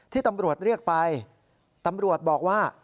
ที่ตำรวจเรียกไปตำรวจบอกว่า